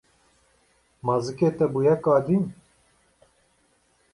Ma zikê te bûye kadîn.